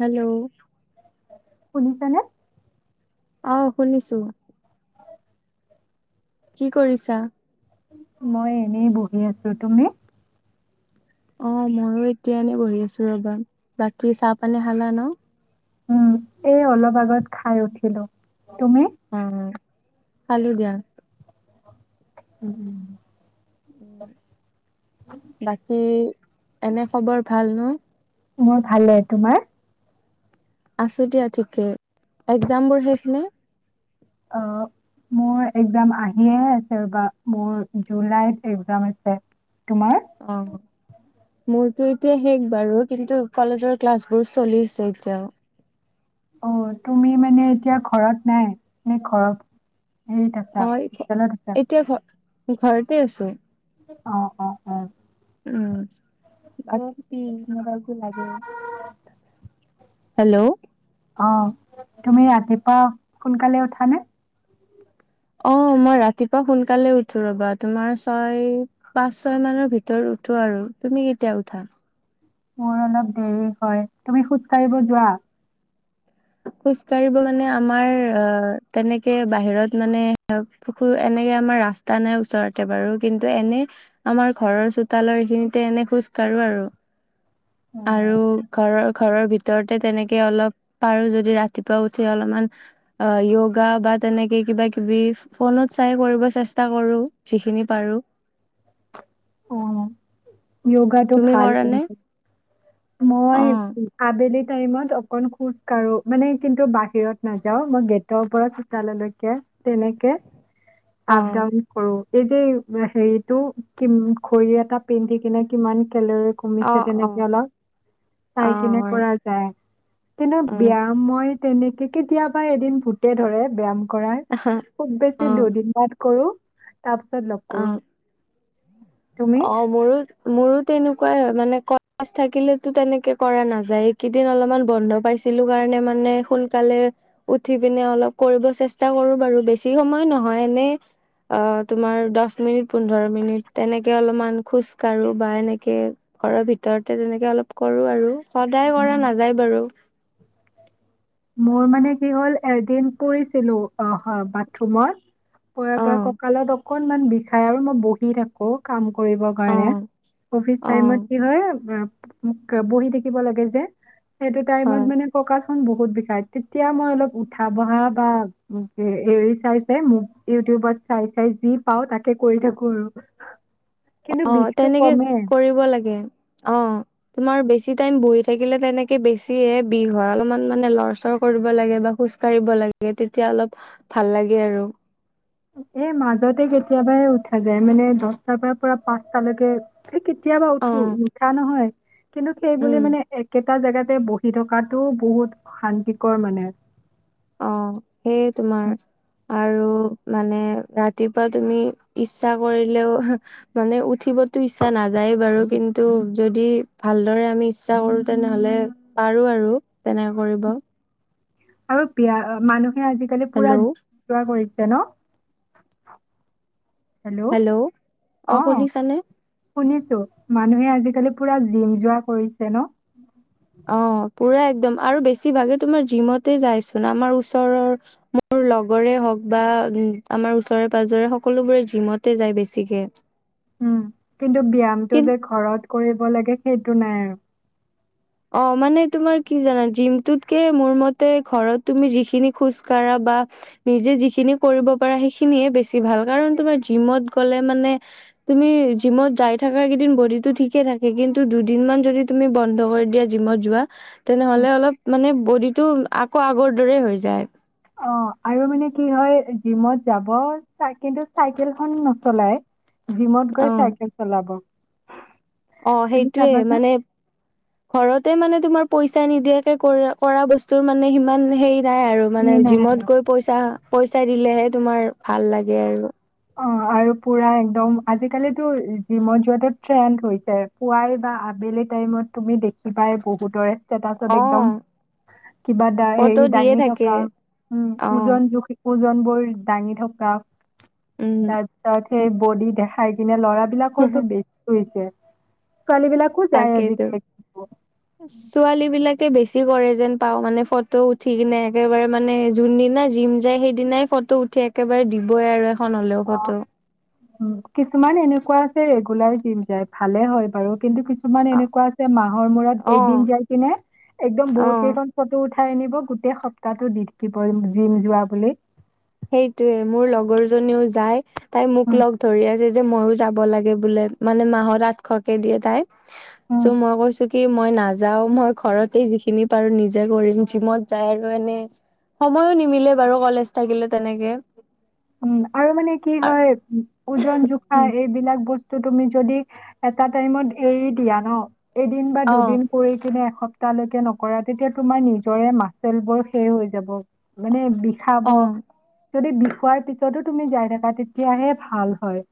Hello শুনিছা নে অ শুনিছো কি কৰিছা মই এনেই বহি আছো তুমি অ মইয়ো এতিয়াএনে বহি আছো ৰবা বাকী চাহ পানী খালা ন উম এই অলপ আগত খাই উঠিলো তুমি উ খালো দিয়া উম উম বাকী এনে খবৰ ভাল ন মোৰ ভালে তোমাৰ আছো দিয়া ঠিকে এক্জাম বোৰ শেষ নে অ মোৰ একজাম আহিহে আছে ৰ'বা মোৰ জুলাইত একজাম আছে তোমাৰ অ মোৰতো এতিয়া শেষ বাৰু কিন্তু কলেজৰ ক্লাছ বোৰ চলিছে এতিয়াও অ তুমি মানে এতিয়া ঘৰত নাই নে ঘৰত [unintelligible] তে ঘ ঘৰতে আছো অ অ অ'। উম [unintelligible] হেল্ল'! অ', তুমি ৰাতিপুৱা সোনকালে উঠা নে? অ', মই ৰাতিপুৱা সোনকালে উঠো ৰ'বা, তোমাৰ ছয় পাঁচ ছয় মানৰ ভিতৰত উঠো আৰু তুমি কেতিয়া উঠা? মোৰ অলপ দেৰি হয়! তুমি খোজ কাঢ়িব যোৱা খোজ কাঢ়িব মানে আমাৰ অ তেনেকে বাহিৰত মানে এনেকে আমাৰ ৰাস্তা ত, নাই ওচৰতে বাৰু, কিন্তু এনে আমাৰ ঘৰৰ চোতালৰ এইখিনিতে এনে খোজ কাঢ়ো আৰু! আৰু অ' ঘৰৰ, ঘৰৰ ভিতৰতে তেনেকে অলপ পাৰোঁ, যদি ৰাতিপুৱা উঠি অলপমান অ য়গা বা তেনেকে কিবা কিবি ফোনত চাই কৰিব চেষ্টা কৰোঁ, যিখিনি পাৰোঁ! য়গাটো তুমি ভাল কৰা নে? কিন্তু, মই অ'। আবেলি টাইমত অকণ খোজ কাঢ়ো, মানে কিন্তু বাহিৰত নাযাওঁ মই গে টৰ, পৰা চোতাললৈকে তেনেকে [unintelligible] আপ ডাউন কৰোঁ! এই যে হেৰিটো, কিম ঘড়ী এটা পিন্ধি কিনে, কিমান কেলৰি অ কমিছে অ তেনেকে অলপ অ পাৰিকিনে হয় কৰা যায়, কিন্তু উম ব্যয়াম মই তেনেকে কেতিয়াবা এদিন ভূতে ধৰে ব্যায়াম কৰাৰ, খুউব অ বেছি দুদিনমান কৰোঁ, তাৰপিছত অ নকৰোঁ। অ', মোৰো মোৰো তেনেকুৱাই হয়, মানে [unintelligible] থাকিলেতো তেনেকে কৰা নাযায়, এইকেইদিন অলপমান বন্ধ পাই ছিলোঁ, কাৰণে মানে সোনকালে উঠি পিনে অলপ কৰিব চেষ্টা কৰোঁ বাৰু, বেছি সময় নহয় এনে অ', তোমাৰ দচ মিনিট, পোন্ধৰ মিনিট তেনে কে, অলপমান খোজকাঢ়ো বা এনেকে ঘৰৰ ভিতৰতে তেনেকে অলপ কৰোঁ আৰু। সদায় কৰা উম। নাযায় বাৰু। মোৰ মানে কি হ'ল, এদিন পৰিছিলোঁ অহ, হ, বাথৰুমত পৰাৰ অ পৰা কঁকালত অকণমান বিষাই আৰু মই বহি থাকোঁ, কাম কৰিব অ কাৰণে, অফিছ অ টাইমত কি হয়, এ, মোক বহি থাক কিব, লাগে যে, সেইটো হয় টাইমত মানে কঁকালখন বহুত বিষাই, তেতিয়া মই অলপ উঠা, বহা বা এৰি চাই, চাই মোব-ইউটিউবত চাই, চাই যি পাওঁ তাকে, কৰি থাকোঁ আৰু। কিন্তু অ', বিষটো তেনেকে কমে কৰিব লাগে, অ' তোমাৰ বেছি টাইম বহি থাকিলে তেনেকে বেছিহে বিষ হয়, অলপমান মানে লৰচৰ কৰিব লাগে বা খোজ কাঢ়িব লাগে, তেতিয়া অলপ ভাল লাগে আৰু। এ, মাজতে কেতিয়াবাই উঠা যায়, মানে দচটাৰ পৰা পুৰা পাঁচটালৈকে, এই কেত তিয়াবা, অ উঠোঁ, নুঠা নহয়, কিন্তু উম সেইবুলি মানে একে টা, জেগাতে বহি থকাটো বহুত অশান্তিকৰ মানে। অ', সেয়ে তোমাৰ আৰু মানে ৰাতিপুৱা তুমি ইচ্ছা কৰিলেও মানে উঠিবতো ইচ্ছা নাযায়ে বাৰু, কিন্তু যদি ভালদৰে আমি ইচ্ছা কৰোঁ, তেনেহ'লে পাৰোঁ আৰু তেনেকে কৰিব। আৰু বিয়া মানুহে আজিকালি পুৰা হেল্ল' [unintelligible] কৰিছে ন? হেল্ল'! অ' শুনিছোঁ, মানুহে আজিকালি পুৰা জিম যোৱা কৰিছে ন? অ', পুৰা একদম আৰু বেছিভাগে তোমাৰ জিমতে যায়চোন আমাৰ ওচৰৰ মোৰ লগৰে হওঁক বা আমাৰ ওচৰে, পাজৰে সকলোবোৰে জিমতে যায় বেছিকে। উম, কিন্তু কি ব্যায়ামটো যে, ঘৰত কৰিব লাগে সেইটো নাই আৰু। অ', মানে তোমাৰ কি জানা? জিমটোতকে মোৰ মতে ঘৰত তুমি যিখিনি খোজ কাঢ়া বা নিজে যিখিনি কৰিব পাৰা সেইখিনিয়ে বেছি ভাল, কাৰণ তোমাৰ জিমত গ'লে মানে তুমি জিমত যায় থাকা কিদিন বডিটো ঠিকে থাকে, কিন্তু দুদিন মান যদি তুমি বন্ধ কৰি জিমত যোৱা উম, তেনেহ'লে অলপ মানে বডিটো আকৌ আগৰ দৰে হৈ যায়। অ', আৰু মানে কি হয়, জিমত যাব কিন্তু, চাইকেলখন নচলাই। জিমত গৈ অ চাইকেল চলাব। অ', তুমি সেইটোৱে চাবাচোন মানে ঘৰতে মানে তোমাৰ পইচা নিদিয়াকে কৰা, কৰা বস্তুৰ মানে সিমান হেৰি নাই আৰু। ই মানে নাই আৰু। জিমত গৈ পইচা, পইচা দিলেহে তোমাৰ ভাল লাগে আৰু। অ', আৰু পুৰা একদম আজিকালিতো জিমত যোৱাটো ট্ৰেণ্ড হৈছে। পুৱাই বা আবেলি টাইমত তুমি দেখিবাই বহুতৰে অ ষ্টেটাছত একদম কিবা ফটো দা-হেৰি দিয়ে দাঙি থাকে থকা উম, অ ওজন জুখি ওজনবোৰ দাঙি থকা। উম তাৰপিছত সেই বডি দেখাই কিনে ল'ৰা বিলাকৰতো বে কৈছে ছোৱালীবিলাক তাকেইটো ছোৱালীবিলাকে বেছি কৰে যেন পাওঁ, মানে ফটো উঠি কিনে একেবাৰে মানে যোনদিনা জিম যায় সেই দিনাই ফটো উঠি একেবাৰে দিবই আৰু এখন হলেও অ ফটো। কিছুমান এনেকুৱা আছে ৰেগুলাৰ জিম যায় ভালে হয় বাৰু কিন্তু কি ছুমান এনেকুৱা আছে মাহৰ মূৰত অ এদিন যাই কিনে একদম অ অ বহুত কেইখন ফটো উঠাই আনিব গোটেই সপ্তাহটো দি থাকিব জিম যোৱা বুলি। সেইটোয়ে মোৰ লগৰজনীও যাই তাই মোক উম লগ ধৰি আছে। যে মইয়ো যাব লাগে বোলে মানে, মাহত আঠশকে দিয়ে তাই উম চ মই কৈছো কি মই নাযাও মই ঘৰতে যিখিনি পাৰো নিজে কৰিম জিমত যাই আৰু এনে সময়ো নিমিলে বাৰু কলেজ থাকিলে তেনেকে। উম আৰু মানে কি আৰ হয় ওজন জোখা উম, এইবিলাক বস্ত টো তুমি যদি এটা টাইমত এৰি দিয়া ন এদিন বা অ দুদিন কৰি কিনে এসপ্তাহ লৈকে নকৰা তেতিয়া তোমাৰ নিজৰে মাচেলবোৰ শেষ হৈ যাব। মানে বি পা, ব অ যদি বিষোৱাৰ পিছতো তুমি যাই থাকা তেতিয়াহে ভাল হয়।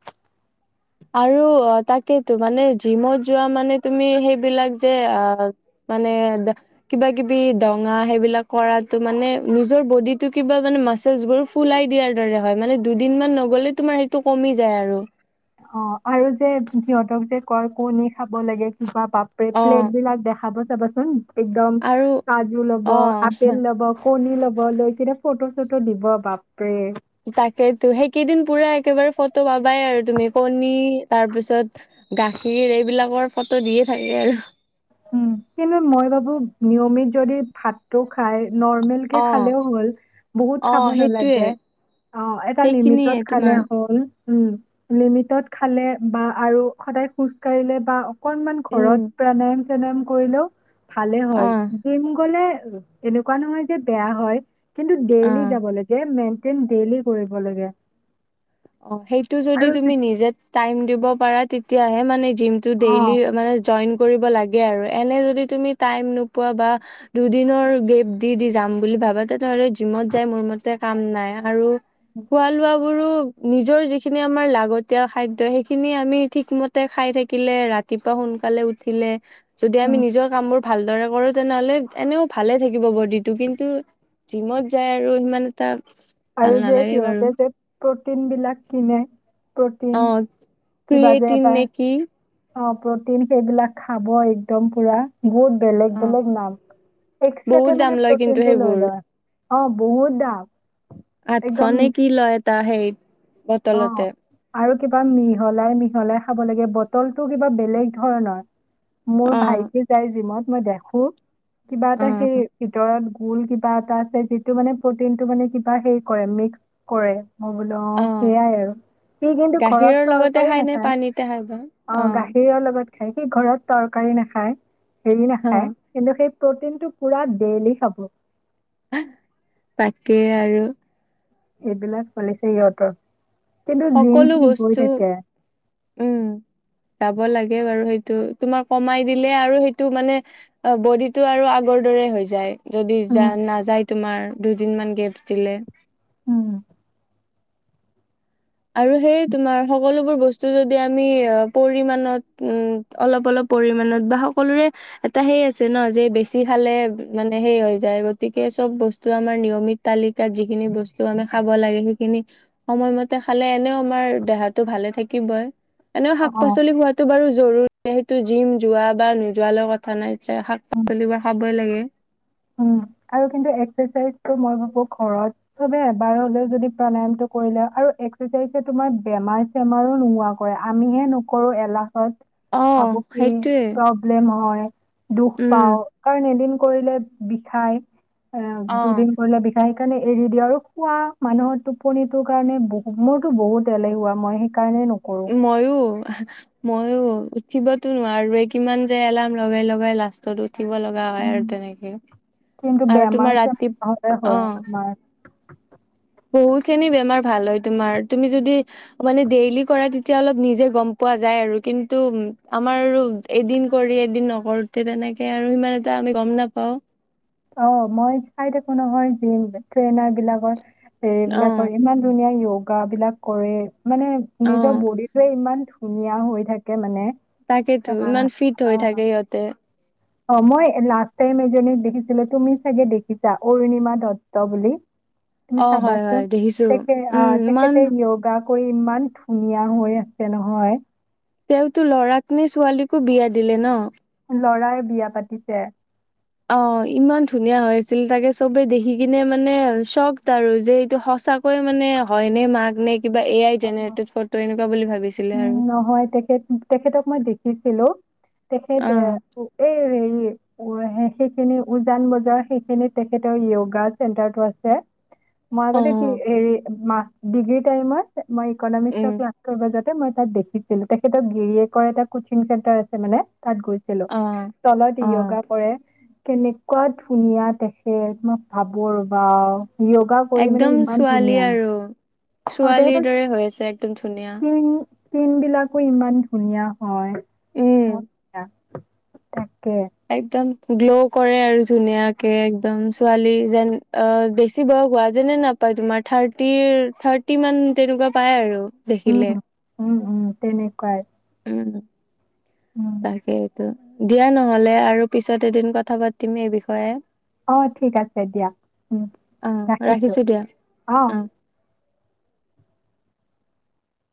আৰু অ তাকেতো মানে জিমত যোৱা মানে তুমি সেইবিলাক যে অ মানে দে কিবা কিবি দঙা সেইবিলাক কৰাতো মানে নিজৰ বডিটো কিবা মানে মাচেলছবোৰ ফুলাই দিয়াৰ দৰে হয় মানে দুদিন মান নগ'লে তোমাৰ সেইটো কমি যায় আৰু। অ আৰু যে সিহতক যে কয় কণী খাব লাগে কিবা পাব অ প্ৰেপ্লেটবিলাক দেখাব চাবাচোন একদম আৰু কাজু ল'ব, অ আপেল ল'ব কণী ল'ব লৈ কিনে ফটো চটো দিব বাপৰে। তাকেতো সেইকেইদিন পুৰা একেবাৰে ফটো পাবাই আৰু তুমি কণী তাৰপিছত গাখীৰ এইবিলাকৰ ফটো দিয়ে থাকে আৰু। উ কিনো মই ভাবো নিয়মিত যদি ভাত তটো খাই নৰ্মেল কে অ খালেও হ'ল বহুত অ খাব সেইটোয়ে নালাগে। অ এটা সেইখিনিয়ে লিমিটত খালে তোমাৰ হ'ল, উম। লিমিটত খালে বা আৰু সদায় খোজ কঢ়িলে বা অকনমান ঘৰত উম প্ৰাণায়েম ছেনেম কৰিলেও ভালে অ হয় জিম গ'লে এনেকুৱা নহয় যে বেয়া হয় কিন্তু ডেইলি অ যাব লাগে মেইনটেইন ডেইলি কৰিব লাগে। অ সেইটো যদি আৰু তুমি যে- নিজে টাইম দিব পাৰা তেতিয়াহে মানে জিম টো অ ডেইলি মানে জইন কৰিব লাগে আৰু এনে যদি তুমি টাইম নোপোৱা বা দুদিনৰ গেপ দি দি যাম বুলি ভাবা তেনেহ'লে জিমত যাই মোৰ মতে কাম নাই আৰু [unintelligible] খোৱা লোৱাবোৰো নিজৰ যিখিনি আমাৰ লাগতিয়াল খাদ্য সেইখিনি আমি ঠিকমতে খাই থাকিলে ৰাত ৰাতিপুৱা সোনকালে উঠিলে যদি উম আমি নিজৰ কামবোৰ ভালদৰে কৰো তেনেহ'লে এনেও ভালে থাকিব বডিটো কিন্তু জিমত যায় আৰু ইমান এটা ভাল আৰু যে নালাগে বাৰু সিহঁতে যে প্ৰটিনবিলাক কিনে প্ৰটিন অ কিবা যে ক্ৰিয়েটিন এটা নে কি অ প্ৰটিন সেইবিলাক খাব একদম পুৰা গুড বেলেগ বেলেগ নাম বহুত এক্সট্ৰাকে দাম মানে লয় কিন্তু প্ৰটিনটো সেইবোৰ লৈ লয়, অ বহুত দাম। একদম আঠশনে কি লয় তাৰ সেই অ বটলতে। আৰু কিবা মিহলাই, মিহলাই খাব লাগে বটলটো কিবা বেলেগ ধৰণৰ। মোৰ অ', ভাইটি যাই জিমত, মই দেখো কিবা এটা সেই অ'। ভিতৰত গোল কিবা এটা আছে, যিটো মানে প্ৰটিনটো মানে কিবা হেৰি কৰে, মিক্স কৰে। মই বোলো অ, সেইয়াই আৰু সি, কিন্তু গাখীৰৰ ঘৰত লগতে তৰকাৰী খাই নে নাখায়। পানীতে খাই বা? অ, গাখীৰৰ লগত খায়, সি ঘৰত তৰকাৰী নাখায়, হেৰি অ', নাখায়। কিন্তু সেই প্ৰটিনটো পুৰা ডেইলি খাব। তাকে, আৰু এইবিলাক চলিছে ইহঁতৰ, কিন্তু জিম সকলো সি বস্তু গৈ থাকে। উম, যাব লাগে বাৰু সেইটো, তোমাৰ কমাই দিলে আৰু সেইটো মানে অ, বডিটো আৰু আগৰ দৰে হৈ যায়। যদি য, উম নাযায় তোমাৰ দুদিন মান গেপ দিলে‌। উম, আৰু সেই তোমাৰ সকলোবোৰ বস্তু যদি আমি পৰিমানত উম অলপ, অলপ পৰিমানত বা সকলোৰে এটা সেই আছে ন, যে বেছি খালে মানে সেই হৈ যায়, গতিকে চব বস্তু আমাৰ নিয়মিত তালিকাত যিখিনি বস্তু আমি খাব লাগে, সেইখিনি সময়মতে খালে এনেও আমাৰ দেহাটো ভালে থাকিবই, এনেও অ শাক-পাচলি খোৱাত টো, বাৰু জৰুৰী সেইটো জিম যোৱা বা নোযোৱালৈ কথা নাই উম শাক-পাচলি বোৰ খাবই লাগে। উম আৰু কিন্তু এক্সাৰচাইজটো মই ভাবো ঘৰত চবে এবাৰ হ'লেও যদি প্ৰাণায়ামটো কৰিলে আৰু এক্সাৰচাইজ তোমাৰ বেমাৰ বেমাৰো নোহোৱা কৰে, আমিহে নকৰো এলাহত অ ভাবো কি সেইটোৱে যে নহয়, দুখ উম পাওঁ কাৰণ এদিন কৰিলে বিষাই অ, দুদিন কৰিলে বিষাই সেইকাৰণে এৰি দিওঁ আৰু শুৱাৰ মানুহৰ টোপনিটোৰ কাৰণে, বহু মোৰতো বহুত এলেহুৱা মই কাৰণে নকৰো। মইয়ো। ময়ো উঠিবতো নোৱাৰোৱে, কিমান যে এলাৰ্ম লগাই, লগাই লাষ্টত উঠিব লগা কিবা হয় উম, আৰু তেনেকে কিন্তু আৰু তোমাৰ ৰাতি বেমাৰ-চেমাৰ নহ'লে অ, হয় আমাৰ। বহুত খিনি বেমাৰ ভাল হয়, তোমাৰ তুমি যদি মানে ডেইলি কৰা তেতিয়া অলপ নিজে গম পোৱা যায় আৰু কিন্তু আমাৰ আৰু এদিন কৰি এদিন নকৰোতে তেনেকে আৰু সিমান এটা আমি গম নাপাওঁ। অ, মই চাই থাকো নহয়, জিম ট্ৰেইনাৰ বিলাকক। অ সেইবিলাক কৰে ইমান ধুনীয়া য়োগা বিলাক কৰে, মানে অ নিজৰ বডিটোয়ে ইমান ধুনীয়া হৈ থাকে মানে। তাকেতো ইমান আহ ফিট অ হৈ থাকে সিহঁতে। অ, মই লাষ্ট টাইম এজনীক দেখিছিলো, তুমি চাগে দেখিছা অৰুণিমা দত্ত বুলি? [inaudible] তুমি চাবা হয় হয় চোন, দেখিছো উম ইমান তেখে-তেখেতে য়গা কৰি, ইমান ধুনীয়া হৈ আছে নহয়। তেওঁতো লৰাক নে, ছোৱালীকো বিয়া দিলে ন? লৰাৰ বিয়া পাতিছে। অ, ইমান ধুনীয়া হৈ আছিল, তাকে চবে দেখি কিনে মানে চখ আৰু যে এইটো সঁচা কৈ মানে হয় নে, মাক নে কিবা এ, আই, অ জেনেৰেটেড ফটো এনেকুৱা বুলি ভাবিছিলে আৰু। উম, নহয়, তেখেত-তেখেতক মই দেখিছিলো, তেখেত অ এ এই [unintelligible] সেইখিনি উজান বজাৰ সেইখিনিত তেখেতৰ য়োগা চেণ্টাৰটো আছে। মই অ আগতে [unintelligible] ডিগ্ৰী টাইমত মই ইকনমিক্সৰ উম ক্লাছ কৰিব মই তাত দেখিছিলো তেখেতৰ গিৰিয়েকৰ এটা কচিং চেণ্টাৰ আছে মানে। তাত গৈছিলো, অ তলত অ য়োগা কৰে। কেনেকুৱা ধুনীয়া তেখেত তোমাক ভাব ৰবা য় একদম ছোৱালী আৰু, অ', ছোৱালীৰ তেখেতৰ দৰে হৈ আছে একদম ধুনীয়া। তিন বিলাকো ইমান ধুনীয়া হয়, উম [unintelligible] তাকে। একদম গ্ল' কৰে আৰু ধুনীয়াকে একদম ছোৱালী যেন অ বেছ শিৱ হোৱা যেনে নাপায় তোমাৰ থাৰ্টিৰ থাৰ্টি মান তেনেকুৱা পায় আৰু। দেখিলে উম, উম উম তেনেকুৱাই। উম উম। তাকেতো। দিয়া নহলে আৰু পিছত এদিন কথা পাতিম এই বিষয়ে। অ ঠিক আছে দিয়া, উম, অ ৰাখিছোঁ, ৰাখিছো দিয়া অ।